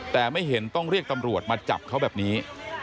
แต่ไม่เห็นต้องเรียกตำรวจมาจับเขาแบบนี้